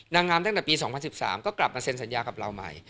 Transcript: นางงามตั้งแต่ปี๒๐๑๓ก็กลับมาเซ็นสัญญากับเราใหม่